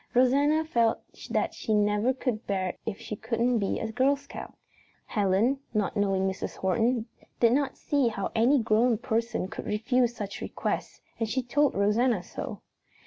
Rosanna felt that she never could bear it if she couldn't be a Girl Scout. Helen, not knowing Mrs. Horton, did not see how any grown person could refuse such a request and she told Rosanna so.